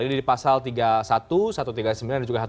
ini di pasal tiga puluh satu satu ratus tiga puluh sembilan dan juga satu